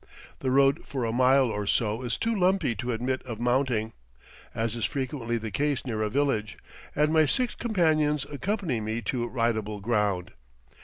The road for a mile or so is too lumpy to admit of mounting, as is frequently the case near a village, and my six companions accompany me to ridable ground.